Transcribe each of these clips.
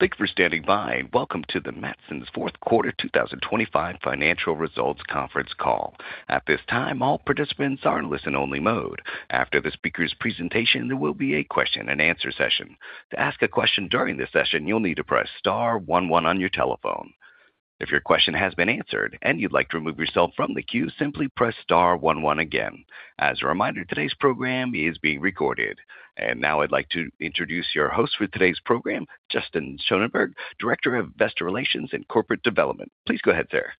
Thank you for standing by, and welcome to the Matson's Fourth Quarter 2025 Financial Results Conference Call. At this time, all participants are in listen-only mode. After the speaker's presentation, there will be a question-and-answer session. To ask a question during this session, you'll need to press star one one on your telephone. If your question has been answered and you'd like to remove yourself from the queue, simply press star one one again. As a reminder, today's program is being recorded. Now I'd like to introduce your host for today's program, Justin Schoenberg, Director of Investor Relations and Corporate Development. Please go ahead, sir.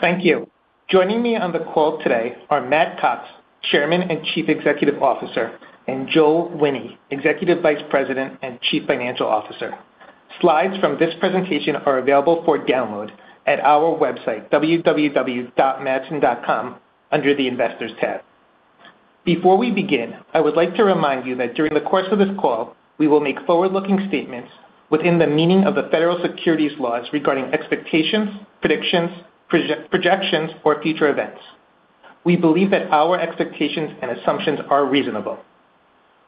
Thank you. Joining me on the call today are Matt Cox, Chairman and Chief Executive Officer, and Joel Wine, Executive Vice President and Chief Financial Officer. Slides from this presentation are available for download at our website, www.matson.com, under the Investors tab. Before we begin, I would like to remind you that during the course of this call, we will make forward-looking statements within the meaning of the federal securities laws regarding expectations, predictions, projections, or future events. We believe that our expectations and assumptions are reasonable.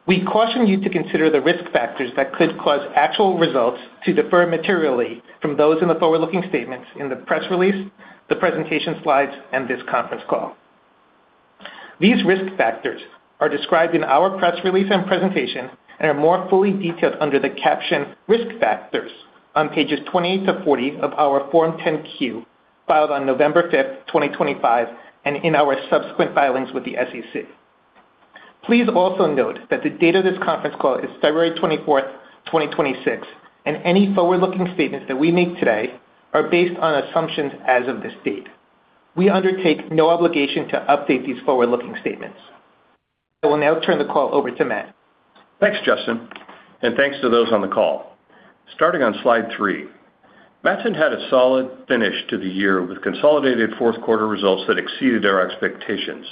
We caution you to consider the risk factors that could cause actual results to differ materially from those in the forward-looking statements in the press release, the presentation slides, and this conference call. These risk factors are described in our press release and presentation and are more fully detailed under the caption Risk Factors on pages 28-40 of our Form 10-Q, filed on November 5th, 2025, and in our subsequent filings with the SEC. Please also note that the date of this conference call is February 24th, 2026, and any forward-looking statements that we make today are based on assumptions as of this date. We undertake no obligation to update these forward-looking statements. I will now turn the call over to Matt. Thanks, Justin, and thanks to those on the call. Starting on slide three, Matson had a solid finish to the year, with consolidated fourth-quarter results that exceeded our expectations.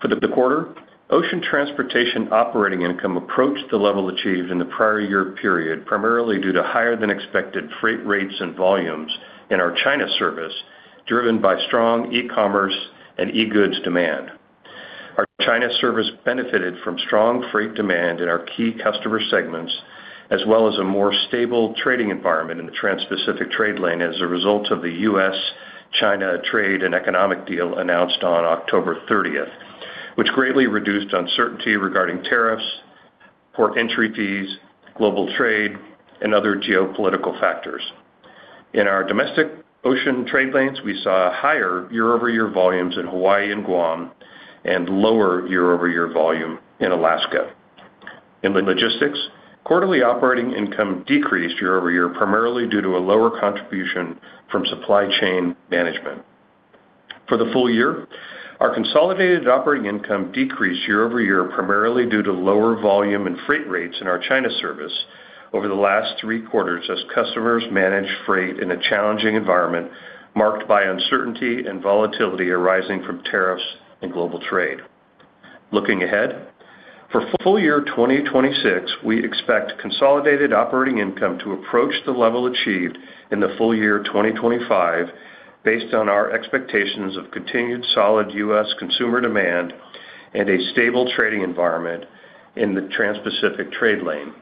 For the quarter, ocean transportation operating income approached the level achieved in the prior-year period, primarily due to higher-than-expected freight rates and volumes in our China service, driven by strong e-commerce and e-goods demand. Our China service benefited from strong freight demand in our key customer segments, as well as a more stable trading environment in the Transpacific trade lane as a result of the US-China trade and economic deal announced on October 30th, which greatly reduced uncertainty regarding tariffs, port entry fees, global trade, and other geopolitical factors. In our domestic ocean trade lanes, we saw higher year-over-year volumes in Hawaii and Guam and lower year-over-year volume in Alaska. In the logistics, quarterly operating income decreased year-over-year, primarily due to a lower contribution from supply chain management. For the full-year, our consolidated operating income decreased year-over-year, primarily due to lower volume and freight rates in our China service over the last three quarters as customers managed freight in a challenging environment marked by uncertainty and volatility arising from tariffs and global trade. Looking ahead, for full-year 2026, we expect consolidated operating income to approach the level achieved in the full-year 2025, based on our expectations of continued solid U.S. consumer demand and a stable trading environment in the Transpacific trade lane.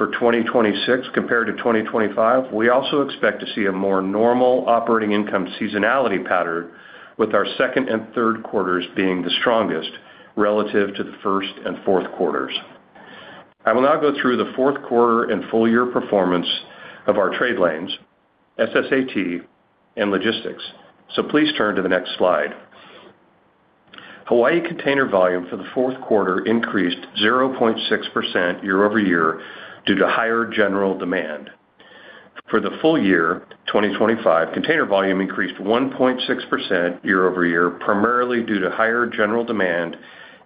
For 2026 compared to 2025, we also expect to see a more normal operating income seasonality pattern, with our second and third quarters being the strongest relative to the first and fourth quarters. I will now go through the fourth quarter and full-year performance of our trade lanes, SSA Terminals, and logistics. Please turn to the next slide. Hawaii container volume for the fourth quarter increased 0.6% year-over-year due to higher general demand. For the full-year 2025, container volume increased 1.6% year-over-year, primarily due to higher general demand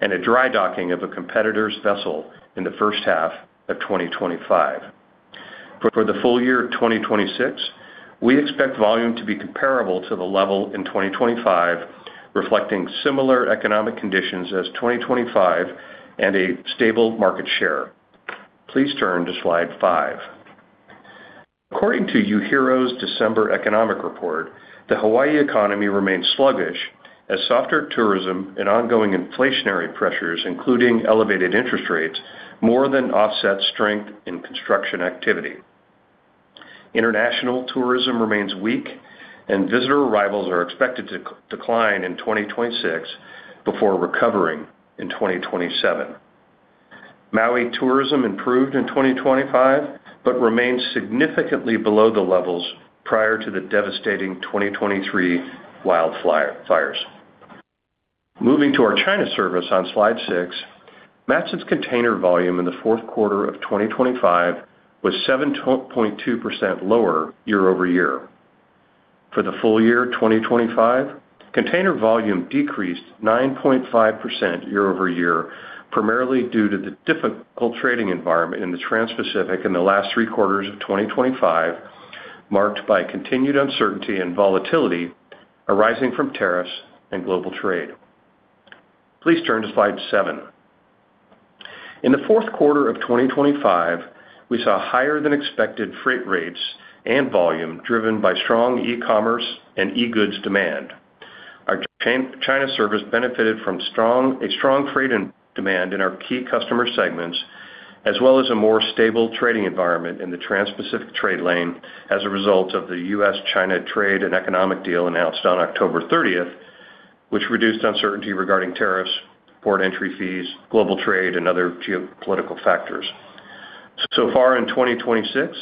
and a dry docking of a competitor's vessel in the first half of 2025. For the full-year 2026, we expect volume to be comparable to the level in 2025, reflecting similar economic conditions as 2025 and a stable market share. Please turn to slide five. According to UHERO's December economic report, the Hawaii economy remains sluggish as softer tourism and ongoing inflationary pressures, including elevated interest rates, more than offset strength in construction activity. International tourism remains weak, and visitor arrivals are expected to decline in 2026 before recovering in 2027. Maui tourism improved in 2025, but remains significantly below the levels prior to the devastating 2023 wildfires. Moving to our China service on slide six, Matson's container volume in the fourth quarter of 2025 was 7.2% lower year-over-year. For the full-year 2025, container volume decreased 9.5% year-over-year, primarily due to the difficult trading environment in the Transpacific in the last three quarters of 2025, marked by continued uncertainty and volatility arising from tariffs and global trade. Please turn to slide seven. In the fourth quarter of 2025, we saw higher-than-expected freight rates and volume driven by strong e-commerce and e-goods demand.... Our China service benefited from a strong freight and demand in our key customer segments, as well as a more stable trading environment in the Transpacific trade lane as a result of the US-China trade and economic deal announced on October 30th, which reduced uncertainty regarding tariffs, port entry fees, global trade, and other geopolitical factors. Far in 2026,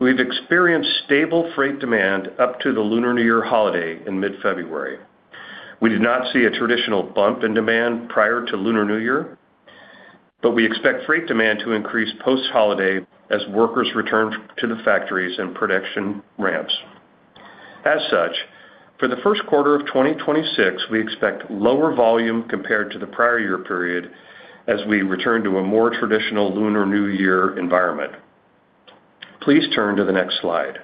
we've experienced stable freight demand up to the Lunar New Year holiday in mid-February. We did not see a traditional bump in demand prior to Lunar New Year, but we expect freight demand to increase post-holiday as workers return to the factories and production ramps. As such, for the first quarter of 2026, we expect lower volume compared to the prior-year period as we return to a more traditional Lunar New Year environment. Please turn to the next slide.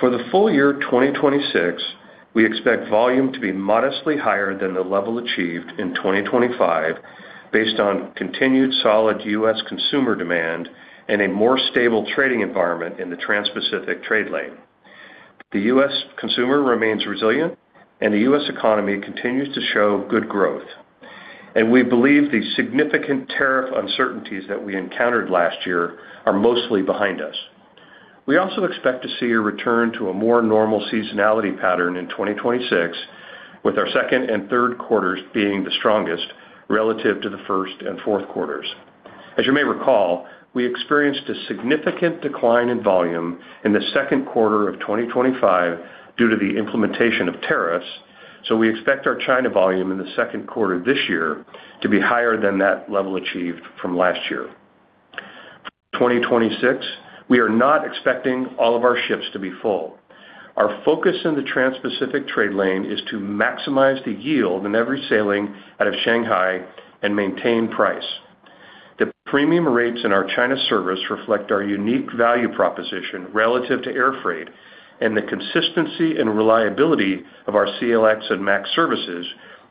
For the full-year, 2026, we expect volume to be modestly higher than the level achieved in 2025, based on continued solid U.S. consumer demand and a more stable trading environment in the Transpacific trade lane. The U.S. consumer remains resilient, and the U.S. economy continues to show good growth, and we believe the significant tariff uncertainties that we encountered last year are mostly behind us. We also expect to see a return to a more normal seasonality pattern in 2026, with our second and third quarters being the strongest relative to the first and fourth quarters. As you may recall, we experienced a significant decline in volume in the second quarter of 2025 due to the implementation of tariffs. We expect our China volume in the second quarter this year to be higher than that level achieved from last year. 2026, we are not expecting all of our ships to be full. Our focus in the Transpacific trade lane is to maximize the yield in every sailing out of Shanghai and maintain price. The premium rates in our China service reflect our unique value proposition relative to air freight and the consistency and reliability of our CLX and MAX services,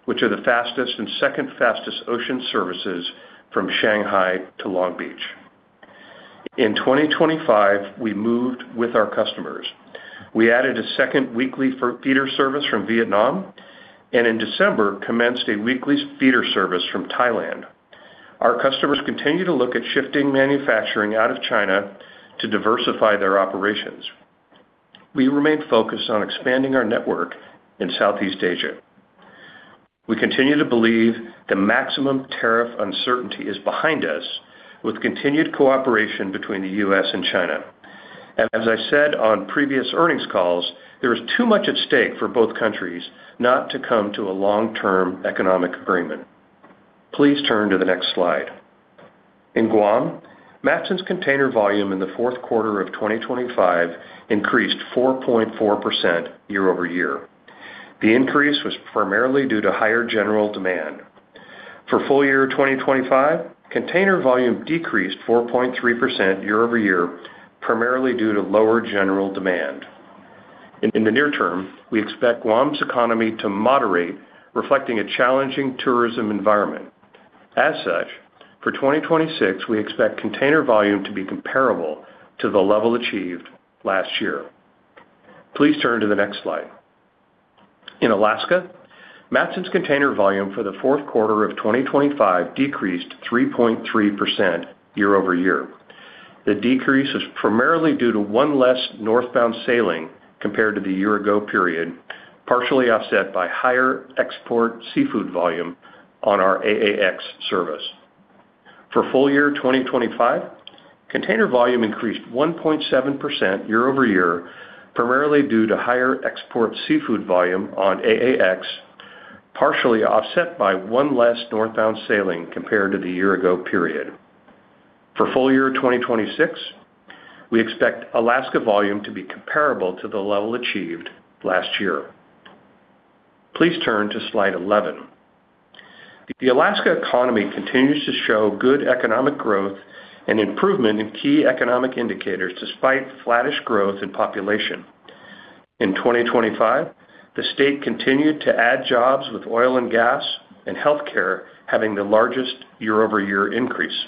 which are the fastest and second fastest ocean services from Shanghai to Long Beach. In 2025, we moved with our customers. We added a second weekly feeder service from Vietnam, and in December, commenced a weekly feeder service from Thailand. Our customers continue to look at shifting manufacturing out of China to diversify their operations. We remain focused on expanding our network in Southeast Asia. We continue to believe the maximum tariff uncertainty is behind us, with continued cooperation between the U.S. and China. As I said on previous earnings calls, there is too much at stake for both countries not to come to a long-term economic agreement. Please turn to the next slide. In Guam, Matson's container volume in the fourth quarter of 2025 increased 4.4% year-over-year. The increase was primarily due to higher general demand. For full-year 2025, container volume decreased 4.3% year-over-year, primarily due to lower general demand. In the near term, we expect Guam's economy to moderate, reflecting a challenging tourism environment. As such, for 2026, we expect container volume to be comparable to the level achieved last year. Please turn to the next slide. In Alaska, Matson's container volume for the fourth quarter of 2025 decreased 3.3% year-over-year. The decrease is primarily due to one less northbound sailing compared to the year-ago period, partially offset by higher export seafood volume on our AAX service. For full-year 2025, container volume increased 1.7% year-over-year, primarily due to higher export seafood volume on AAX, partially offset by one less northbound sailing compared to the year-ago period. For full-year 2026, we expect Alaska volume to be comparable to the level achieved last year. Please turn to slide 11. The Alaska economy continues to show good economic growth and improvement in key economic indicators, despite flattish growth in population. In 2025, the state continued to add jobs, with oil and gas and healthcare having the largest year-over-year increase.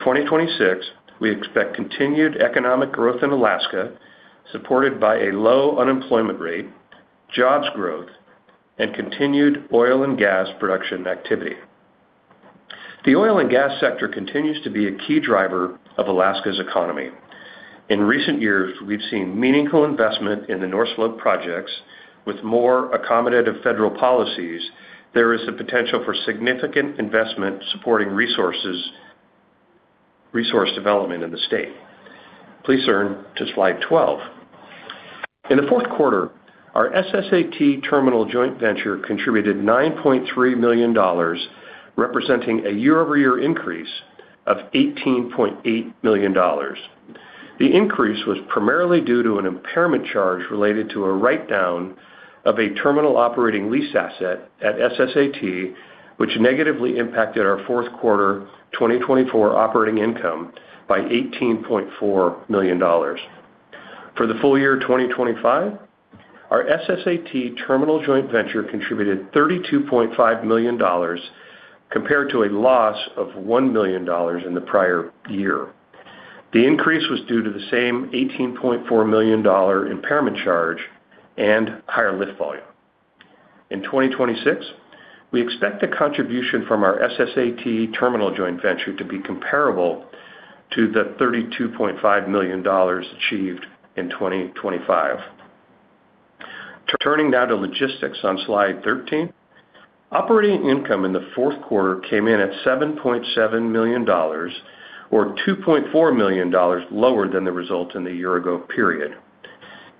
For 2026, we expect continued economic growth in Alaska, supported by a low unemployment rate, jobs growth, and continued oil and gas production activity. The oil and gas sector continues to be a key driver of Alaska's economy. In recent years, we've seen meaningful investment in the North Slope projects. With more accommodative federal policies, there is the potential for significant investment supporting resource development in the state. Please turn to slide 12. In the fourth quarter, our SSAT terminal joint venture contributed $9.3 million, representing a year-over-year increase of $18.8 million. The increase was primarily due to an impairment charge related to a write-down of a terminal operating lease asset at SSAT, which negatively impacted our fourth quarter 2024 operating income by $18.4 million. For the full-year 2025, our SSAT terminal joint venture contributed $32.5 million, compared to a loss of $1 million in the prior-year. The increase was due to the same $18.4 million impairment charge and higher lift volume. In 2026, we expect the contribution from our SSA Terminals Joint Venture to be comparable to the $32.5 million achieved in 2025. Turning now to logistics on slide 13. Operating income in the fourth quarter came in at $7.7 million, or $2.4 million lower than the result in the year-ago period.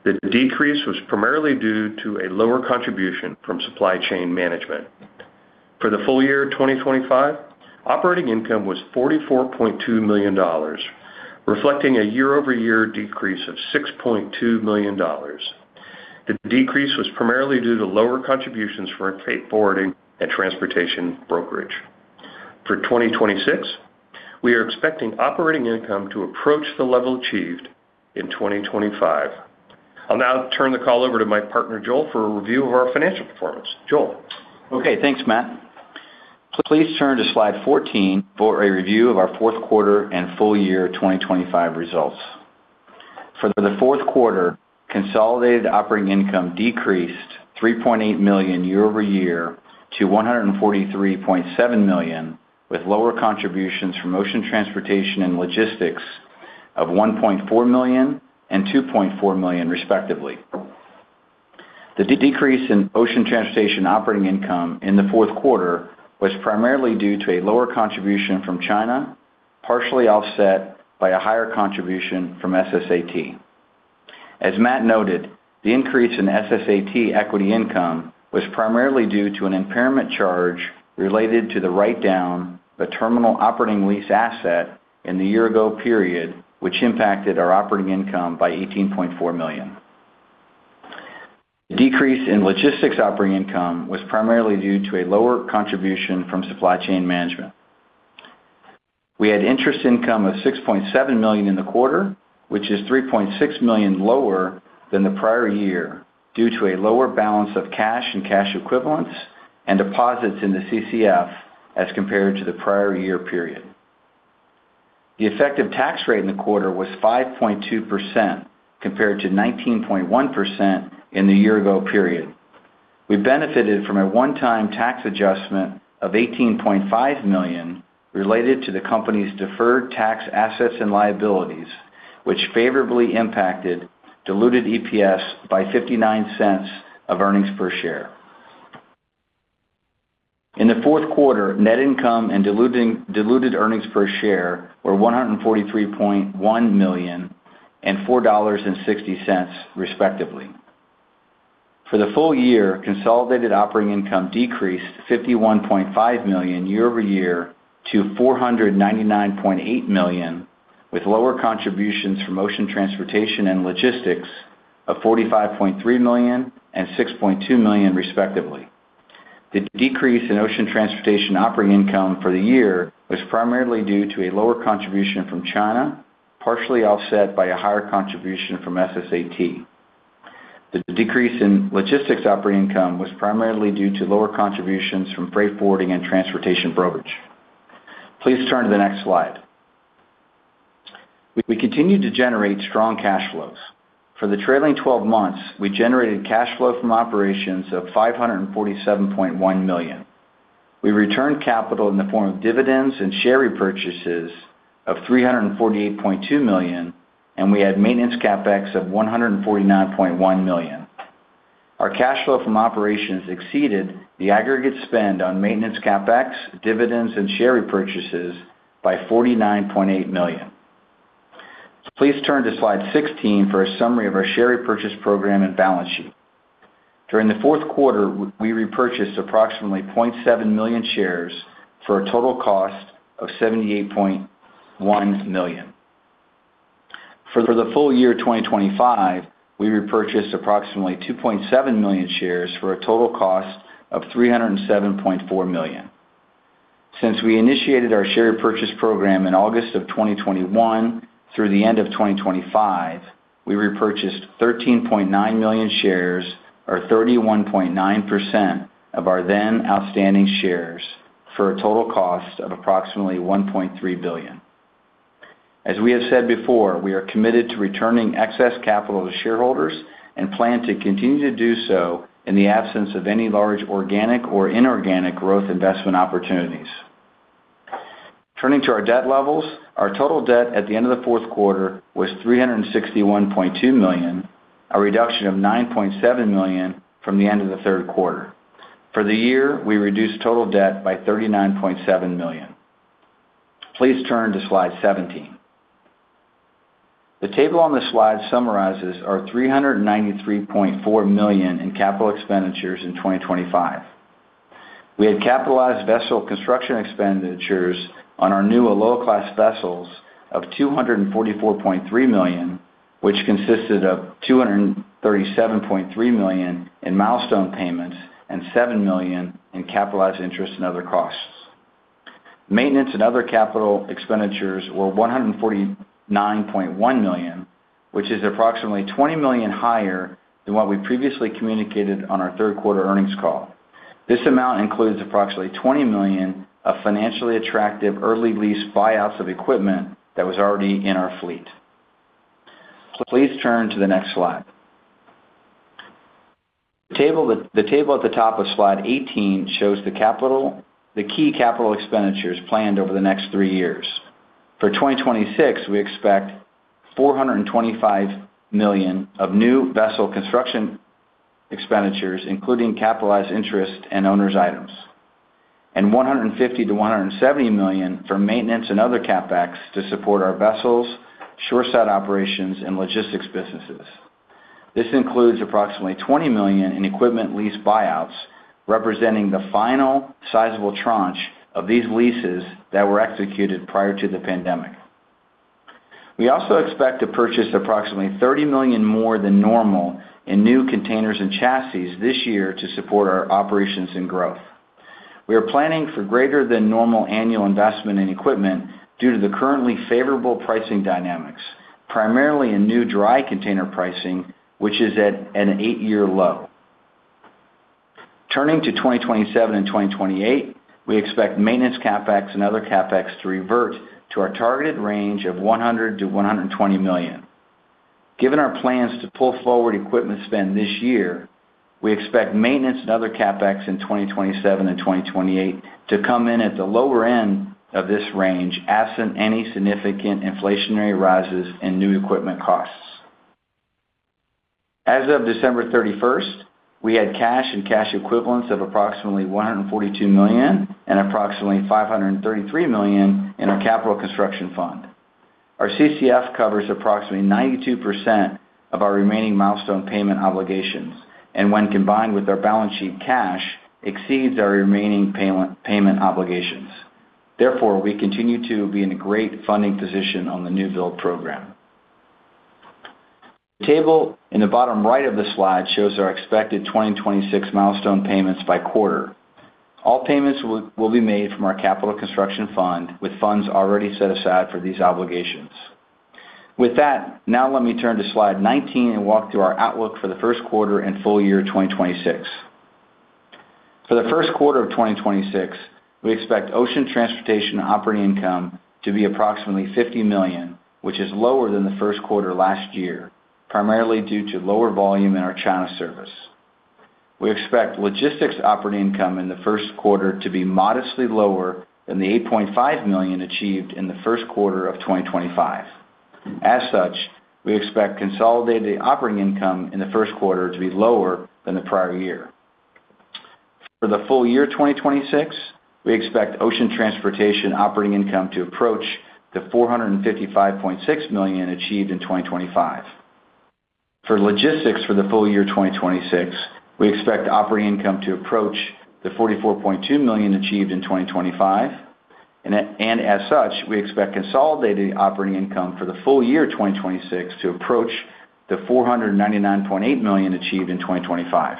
The decrease was primarily due to a lower contribution from supply chain management. For the full-year 2025, operating income was $44.2 million, reflecting a year-over-year decrease of $6.2 million. The decrease was primarily due to lower contributions from freight forwarding and transportation brokerage. For 2026, we are expecting operating income to approach the level achieved in 2025. I'll now turn the call over to my partner, Joel, for a review of our financial performance. Joel? Okay, thanks, Matt. Please turn to slide 14 for a review of our fourth quarter and full-year 2025 results. For the fourth quarter, consolidated operating income decreased $3.8 million year-over-year to $143.7 million, with lower contributions from ocean transportation and logistics of $1.4 million and $2.4 million, respectively. The decrease in ocean transportation operating income in the fourth quarter was primarily due to a lower contribution from China, partially offset by a higher contribution from SSA Terminals. As Matt noted, the increase in SSA Terminals equity income was primarily due to an impairment charge related to the write-down the terminal operating lease asset in the year-ago period, which impacted our operating income by $18.4 million. Decrease in logistics operating income was primarily due to a lower contribution from supply chain management. We had interest income of $6.7 million in the quarter, which is $3.6 million lower than the prior-year, due to a lower balance of cash and cash equivalents and deposits in the CCF as compared to the prior-year period. The effective tax rate in the quarter was 5.2%, compared to 19.1% in the year-ago period. We benefited from a one-time tax adjustment of $18.5 million, related to the company's deferred tax assets and liabilities, which favorably impacted diluted EPS by $0.59 of earnings per share. In the fourth quarter, net income and diluted earnings per share were $143.1 million and $4.60, respectively. For the full-year, consolidated operating income decreased $51.5 million year-over-year to $499.8 million, with lower contributions from ocean transportation and logistics of $45.3 million and $6.2 million, respectively. The decrease in ocean transportation operating income for the year was primarily due to a lower contribution from China, partially offset by a higher contribution from SSAT. The decrease in logistics operating income was primarily due to lower contributions from freight forwarding and transportation brokerage. Please turn to the next slide. We continue to generate strong cash flows. For the trailing 12 months, we generated cash flow from operations of $547.1 million. We returned capital in the form of dividends and share repurchases of $348.2 million, and we had maintenance CapEx of $149.1 million. Our cash flow from operations exceeded the aggregate spend on maintenance CapEx, dividends, and share repurchases by $49.8 million. Please turn to slide 16 for a summary of our share repurchase program and balance sheet. During the fourth quarter, we repurchased approximately 0.7 million shares for a total cost of $78.1 million. For the full-year 2025, we repurchased approximately 2.7 million shares for a total cost of $307.4 million. Since we initiated our share repurchase program in August 2021 through the end of 2025, we repurchased 13.9 million shares, or 31.9% of our then outstanding shares, for a total cost of approximately $1.3 billion. As we have said before, we are committed to returning excess capital to shareholders and plan to continue to do so in the absence of any large organic or inorganic growth investment opportunities. Turning to our debt levels, our total debt at the end of the fourth quarter was $361.2 million, a reduction of $9.7 million from the end of the third quarter. For the year, we reduced total debt by $39.7 million. Please turn to slide 17. The table on this slide summarizes our $393.4 million in capital expenditures in 2025. We had capitalized vessel construction expenditures on our new Aloha Class vessels of $244.3 million, which consisted of $237.3 million in milestone payments and $7 million in capitalized interest and other costs. Maintenance and other capital expenditures were $149.1 million, which is approximately $20 million higher than what we previously communicated on our third quarter earnings call. This amount includes approximately $20 million of financially attractive early lease buyouts of equipment that was already in our fleet. Please turn to the next slide. The table at the top of slide 18 shows the key capital expenditures planned over the next three years. For 2026, we expect $425 million of new vessel construction expenditures, including capitalized interest and owner's items, and $150 million-$170 million for maintenance and other CapEx to support our vessels, shoreside operations, and logistics businesses. This includes approximately $20 million in equipment lease buyouts, representing the final sizable tranche of these leases that were executed prior to the pandemic. We also expect to purchase approximately $30 million more than normal in new containers and chassis this year to support our operations and growth. We are planning for greater than normal annual investment in equipment due to the currently favorable pricing dynamics, primarily in new dry container pricing, which is at an eight-year low. Turning to 2027 and 2028, we expect maintenance CapEx and other CapEx to revert to our targeted range of $100 million-$120 million. Given our plans to pull forward equipment spend this year, we expect maintenance and other CapEx in 2027 and 2028 to come in at the lower end of this range, absent any significant inflationary rises in new equipment costs. As of December 31st, we had cash and cash equivalents of approximately $142 million, and approximately $533 million in our Capital Construction Fund. Our CCF covers approximately 92% of our remaining milestone payment obligations, when combined with our balance sheet, cash exceeds our remaining payment obligations. We continue to be in a great funding position on the new build program. The table in the bottom right of the slide shows our expected 2026 milestone payments by quarter. All payments will be made from our Capital Construction Fund, with funds already set aside for these obligations. Now let me turn to Slide 19 and walk through our outlook for the first quarter and full-year 2026. For the first quarter of 2026, we expect ocean transportation operating income to be approximately $50 million, which is lower than the first quarter last year, primarily due to lower volume in our China service. We expect logistics operating income in the first quarter to be modestly lower than the $8.5 million achieved in the first quarter of 2025. We expect consolidated operating income in the first quarter to be lower than the prior-year. For the full-year 2026, we expect ocean transportation operating income to approach the $455.6 million achieved in 2025. For logistics for the full-year 2026, we expect operating income to approach the $44.2 million achieved in 2025, and as such, we expect consolidated operating income for the full-year 2026 to approach the $499.8 million achieved in 2025.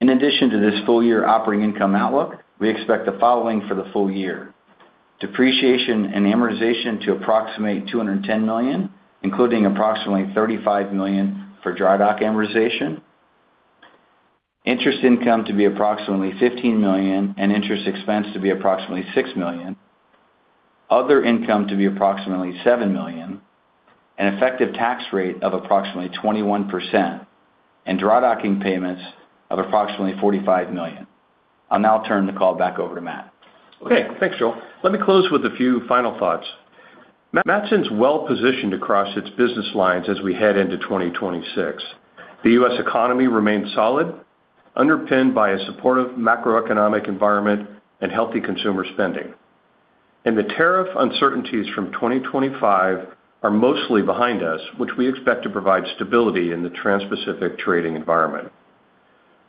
In addition to this full-year operating income outlook, we expect the following for the full-year: depreciation and amortization to approximate $210 million, including approximately $35 million for dry dock amortization. Interest income to be approximately $15 million, and interest expense to be approximately $6 million. Other income to be approximately $7 million, an effective tax rate of approximately 21%, and dry docking payments of approximately $45 million. I'll now turn the call back over to Matt. Okay, thanks, Joel. Let me close with a few final thoughts. Matson's well-positioned across its business lines as we head into 2026. The U.S. economy remains solid, underpinned by a supportive macroeconomic environment and healthy consumer spending. The tariff uncertainties from 2025 are mostly behind us, which we expect to provide stability in the Transpacific trading environment.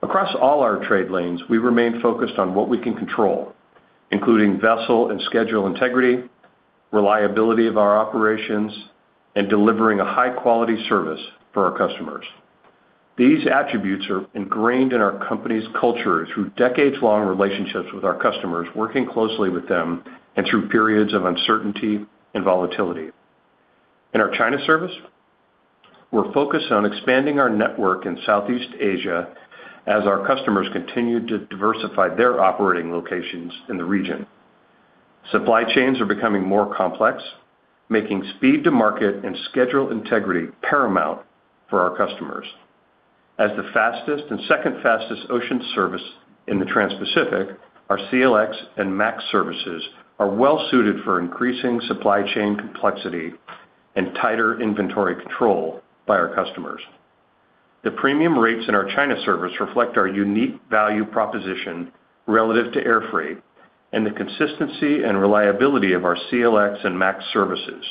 Across all our trade lanes, we remain focused on what we can control, including vessel and schedule integrity, reliability of our operations, and delivering a high-quality service for our customers. These attributes are ingrained in our company's culture through decades-long relationships with our customers, working closely with them and through periods of uncertainty and volatility. In our China service, we're focused on expanding our network in Southeast Asia as our customers continue to diversify their operating locations in the region. Supply chains are becoming more complex, making speed to market and schedule integrity paramount for our customers. As the fastest and second fastest ocean service in the Transpacific, our CLX and MAX services are well suited for increasing supply chain complexity and tighter inventory control by our customers. The premium rates in our China service reflect our unique value proposition relative to air freight and the consistency and reliability of our CLX and MAX services.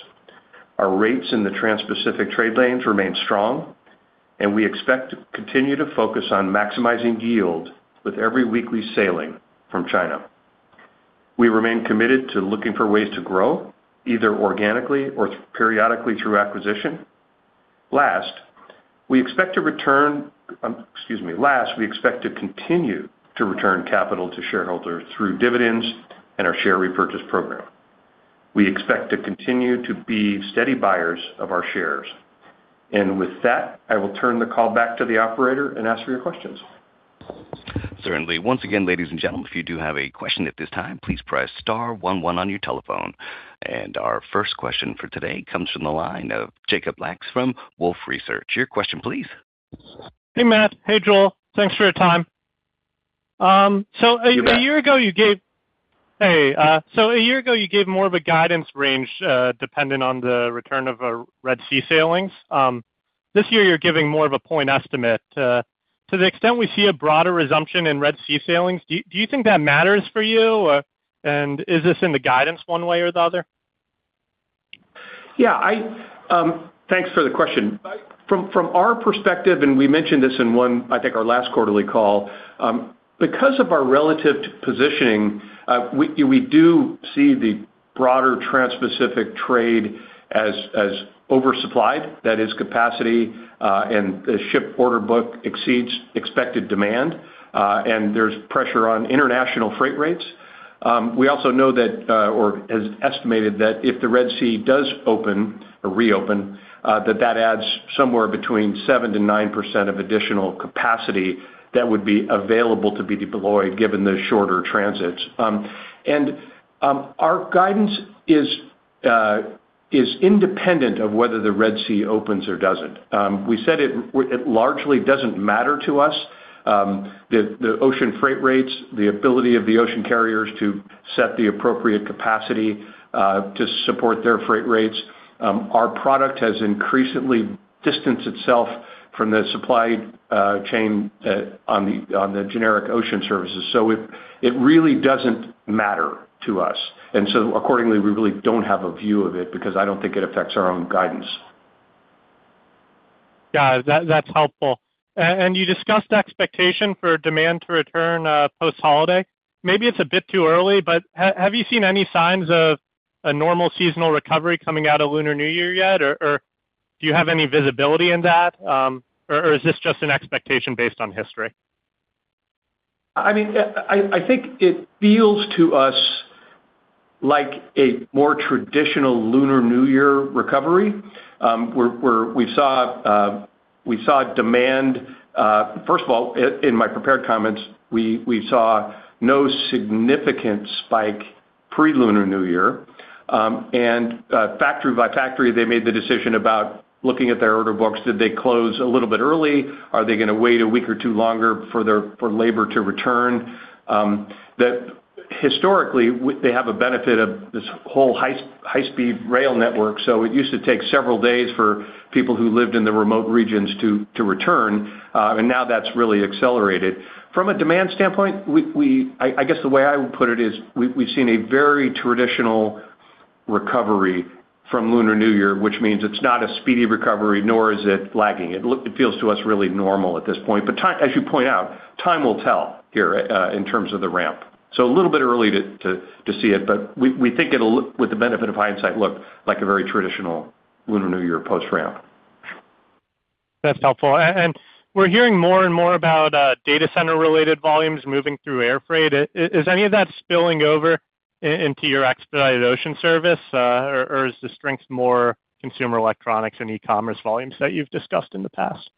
Our rates in the Transpacific trade lanes remain strong, and we expect to continue to focus on maximizing yield with every weekly sailing from China. We remain committed to looking for ways to grow, either organically or periodically, through acquisition. Last, we expect to continue to return capital to shareholders through dividends and our share repurchase program. We expect to continue to be steady buyers of our shares. With that, I will turn the call back to the operator and ask for your questions. Certainly. Once again, ladies and gentlemen, if you do have a question at this time, please press star one, one on your telephone. Our first question for today comes from the line of Jake Senior Analyst for Wolfe Research. Your question, please. Hey, Matt. Hey, Joel. Thanks for your time. A year ago, you. You bet. Hey, a year ago, you gave more of a guidance range, dependent on the return of Red Sea sailings. This year, you're giving more of a point estimate. To the extent we see a broader resumption in Red Sea sailings, do you think that matters for you? Is this in the guidance one way or the other? Yeah. Thanks for the question. From our perspective, and we mentioned this in one, I think our last quarterly call, because of our relative positioning, we do see the broader transpacific trade as oversupplied. That is, capacity, and the ship order book exceeds expected demand, and there's pressure on international freight rates. We also know that or has estimated that if the Red Sea does open or reopen, that adds somewhere between 7%-9% of additional capacity that would be available to be deployed, given the shorter transits. Our guidance is independent of whether the Red Sea opens or doesn't. We said it largely doesn't matter to us, the ocean freight rates, the ability of the ocean carriers to set the appropriate capacity to support their freight rates. Our product has increasingly distanced itself from the supply chain on the, on the generic ocean services, so it really doesn't matter to us. Accordingly, we really don't have a view of it because I don't think it affects our own guidance. Got it. That's helpful. You discussed expectation for demand to return post-holiday. Maybe it's a bit too early, but have you seen any signs of a normal seasonal recovery coming out of Lunar New Year yet? Do you have any visibility in that, or is this just an expectation based on history? I mean, I think it feels to us like a more traditional Lunar New Year recovery. We saw demand. First of all, in my prepared comments, we saw no significant spike pre-Lunar New Year. Factory by factory, they made the decision about looking at their order books. Did they close a little bit early? Are they going to wait a week or two longer for labor to return? That historically, they have a benefit of this whole high, high-speed rail network, so it used to take several days for people who lived in the remote regions to return, now that's really accelerated. From a demand standpoint, we I guess the way I would put it is we've seen a very traditional recovery from Lunar New Year, which means it's not a speedy recovery, nor is it lagging. It feels to us really normal at this point. Time, as you point out, time will tell here, in terms of the ramp. A little bit early to see it, but we think it'll, with the benefit of hindsight, look like a very traditional Lunar New Year post ramp. That's helpful. We're hearing more and more about data center-related volumes moving through air freight. Is any of that spilling over into your expedited ocean service, or is the strength more consumer electronics and e-commerce volumes that you've discussed in the past?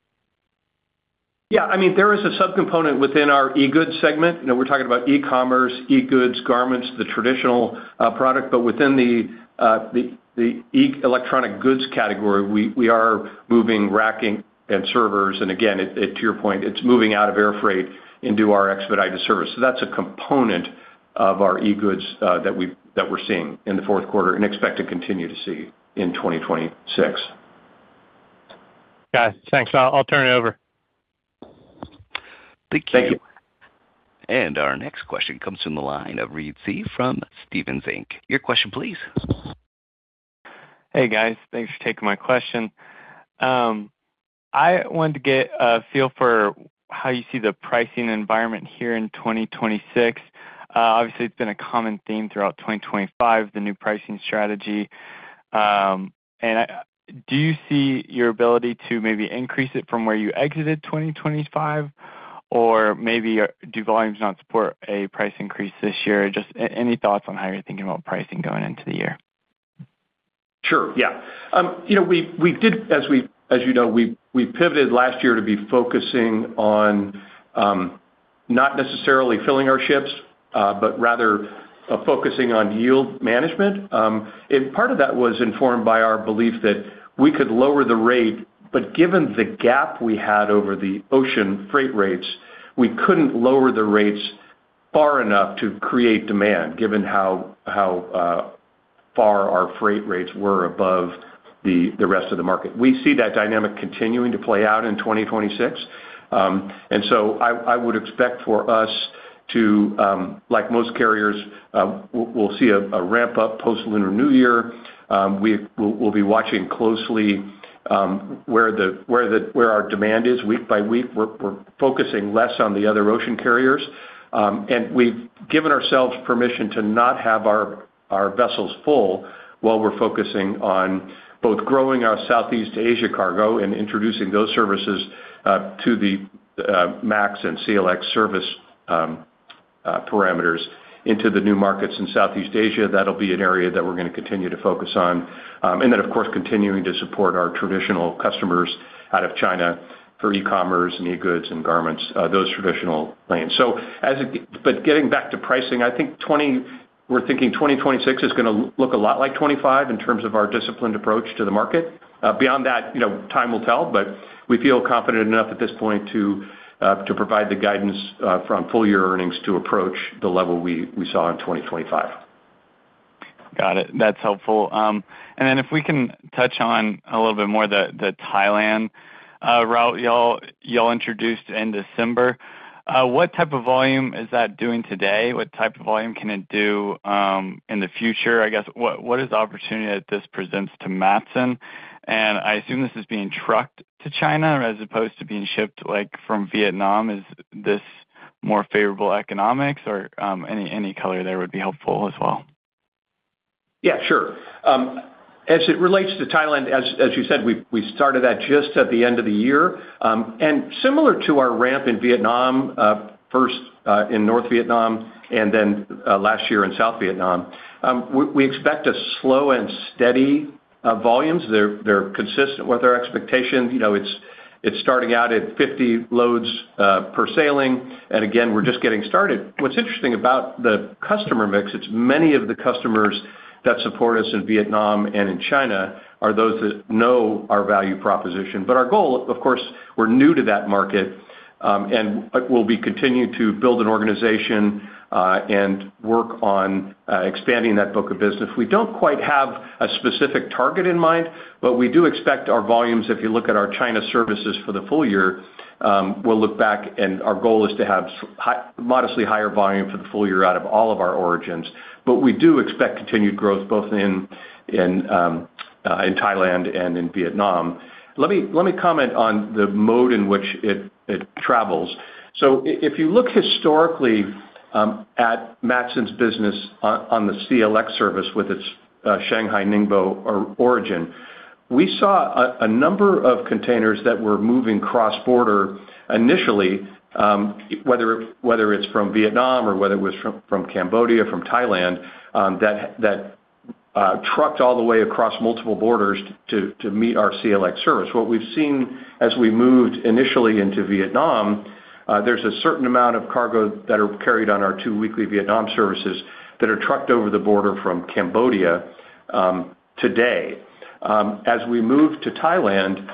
I mean, there is a subcomponent within our e-goods segment. You know, we're talking about e-commerce, e-goods, garments, the traditional product. Within the electronic goods category, we are moving racking and servers. Again, it to your point, it's moving out of air freight into our expedited service. That's a component of our e-goods that we're seeing in the fourth quarter and expect to continue to see in 2026. Got it. Thanks. I'll turn it over. Thank you. Thank you. Our next question comes from the line of Reed Seay from Stephens Inc. Your question, please. Hey, guys. Thanks for taking my question. I wanted to get a feel for how you see the pricing environment here in 2026. Obviously, it's been a common theme throughout 2025, the new pricing strategy. Do you see your ability to maybe increase it from where you exited 2025, or maybe do volumes not support a price increase this year? Just any thoughts on how you're thinking about pricing going into the year? Sure, yeah. You know, we did as you know, we pivoted last year to be focusing on not necessarily filling our ships, but rather focusing on yield management. Part of that was informed by our belief that we could lower the rate, but given the gap we had over the ocean freight rates, we couldn't lower the rates far enough to create demand, given how far our freight rates were above the rest of the market. We see that dynamic continuing to play out in 2026. I would expect for us to, like most carriers, we'll see a ramp-up post-Lunar New Year. We'll be watching closely, where our demand is week by week. We're focusing less on the other ocean carriers, and we've given ourselves permission to not have our vessels full while we're focusing on both growing our Southeast Asia cargo and introducing those services to the MAX and CLX service parameters into the new markets in Southeast Asia. That'll be an area that we're going to continue to focus on. Then, of course, continuing to support our traditional customers out of China for e-commerce, e-goods and garments, those traditional lanes. Getting back to pricing, I think we're thinking 2026 is gonna look a lot like 25 in terms of our disciplined approach to the market. Beyond that, you know, time will tell, but we feel confident enough at this point to provide the guidance from full-year earnings to approach the level we saw in 2025. Got it. That's helpful. If we can touch on a little bit more the Thailand route y'all introduced in December. What type of volume is that doing today? What type of volume can it do in the future? I guess, what is the opportunity that this presents to Matson? I assume this is being trucked to China as opposed to being shipped, like, from Vietnam. Is this more favorable economics? Any color there would be helpful as well. Yeah, sure. As it relates to Thailand, as you said, we started that just at the end of the year. Similar to our ramp in Vietnam, first in North Vietnam and then last year in South Vietnam, we expect a slow and steady volumes. They're consistent with our expectations. You know, it's starting out at 50 loads per sailing, and again, we're just getting started. What's interesting about the customer mix, it's many of the customers that support us in Vietnam and in China are those that know our value proposition. Our goal, of course, we're new to that market, and but we'll be continuing to build an organization and work on expanding that book of business. We don't quite have a specific target in mind. We do expect our volumes, if you look at our China services for the full-year, we'll look back, and our goal is to have modestly higher volume for the full-year out of all of our origins. We do expect continued growth both in Thailand and in Vietnam. Let me comment on the mode in which it travels. If you look historically at Matson's business on the CLX service with its Shanghai, Ningbo origin, we saw a number of containers that were moving cross-border initially, whether it's from Vietnam or whether it was from Cambodia, from Thailand, that trucked all the way across multiple borders to meet our CLX service. What we've seen as we moved initially into Vietnam, there's a certain amount of cargo that are carried on our two weekly Vietnam services that are trucked over the border from Cambodia today. As we move to Thailand,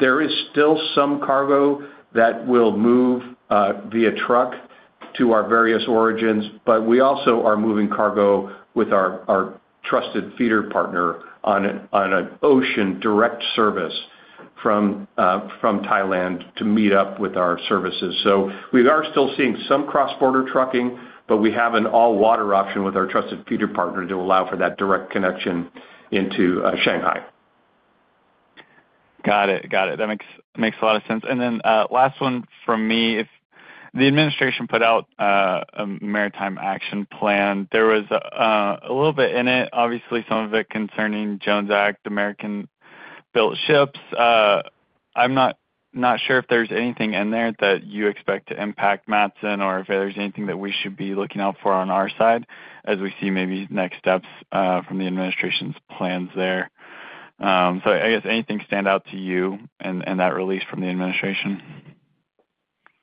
there is still some cargo that will move via truck to our various origins, but we also are moving cargo with our trusted feeder partner on an ocean direct service from Thailand to meet up with our services. We are still seeing some cross-border trucking, but we have an all-water option with our trusted feeder partner to allow for that direct connection into Shanghai. Got it. That makes a lot of sense. Last one from me. If the administration put out a maritime action plan, there was a little bit in it, obviously, some of it concerning Jones Act, American-built ships. I'm not sure if there's anything in there that you expect to impact Matson or if there's anything that we should be looking out for on our side as we see maybe next steps from the administration's plans there. I guess anything stand out to you in that release from the administration?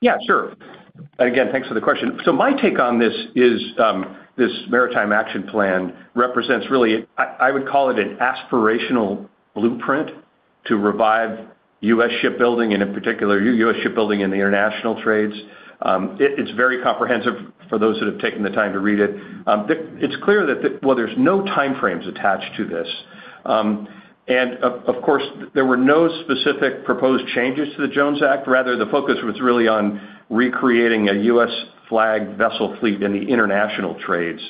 Yeah, sure. Again, thanks for the question. My take on this is, this America's Maritime Action Plan represents really, I would call it an aspirational blueprint to revive U.S. shipbuilding, and in particular, U.S. shipbuilding in the international trades. It's very comprehensive for those that have taken the time to read it. Well, it's clear that there's no time frames attached to this. Of course, there were no specific proposed changes to the Jones Act. Rather, the focus was really on recreating a U.S. flagged vessel fleet in the international trades.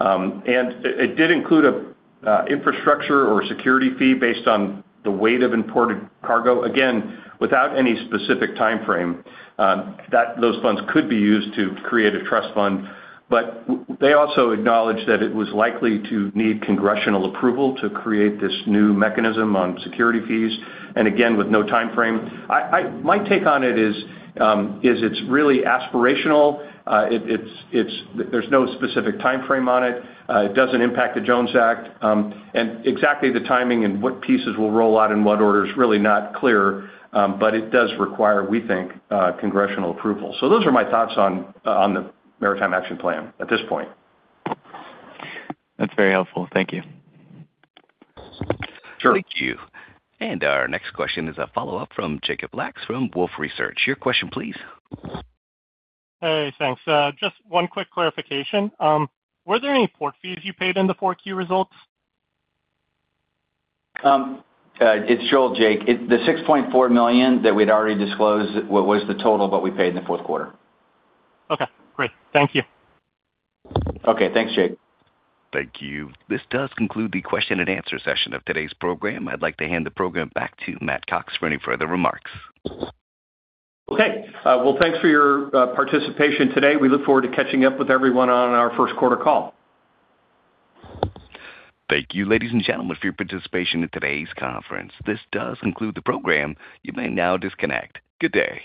It did include a infrastructure or security fee based on the weight of imported cargo, again, without any specific time frame. that those funds could be used to create a trust fund, but they also acknowledged that it was likely to need congressional approval to create this new mechanism on security fees, and again, with no time frame. My take on it is, it's really aspirational. There's no specific time frame on it. It doesn't impact the Jones Act. Exactly the timing and what pieces will roll out in what order is really not clear, but it does require, we think, congressional approval. Those are my thoughts on the Maritime Action Plan at this point. That's very helpful. Thank you. Sure. Thank you. Our next question is a follow-up from Jake Lacks from Wolfe Research. Your question, please. Hey, thanks. Just one quick clarification. Were there any port fees you paid in the Q4 results? It's Joel, Jake. The $6.4 million that we'd already disclosed was the total, what we paid in the fourth quarter. Okay, great. Thank you. Okay. Thanks, Jake. Thank you. This does conclude the question and answer session of today's program. I'd like to hand the program back to Matt Cox for any further remarks. Okay. Well, thanks for your participation today. We look forward to catching up with everyone on our first quarter call. Thank you, ladies and gentlemen, for your participation in today's conference. This does conclude the program. You may now disconnect. Good day!